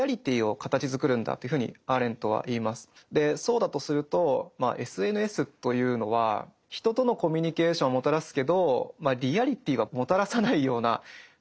でそうだとするとまあＳＮＳというのは人とのコミュニケーションをもたらすけどリアリティーはもたらさないような感じがしますね。